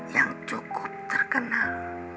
yang cukup terkenal